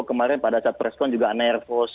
kemarin pada saat presiden juga nervos